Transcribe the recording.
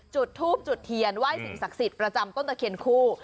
จุดทูบจุดเทียนไหว้สิ่งศักดิ์สิทธิ์ประจำต้นตะเคียนคู่